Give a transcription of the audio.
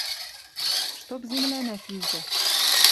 Чтоб земляна кижӹ